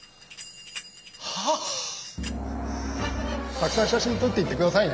たくさん写真撮っていってくださいね。